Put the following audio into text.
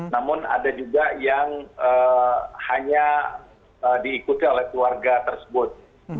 namun ada juga yang hanya diikuti oleh keluarga tersebut